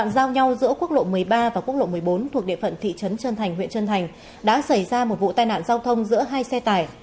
giao nhau giữa quốc lộ một mươi ba và quốc lộ một mươi bốn thuộc địa phận thị trấn trân thành huyện trân thành đã xảy ra một vụ tai nạn giao thông giữa hai xe tải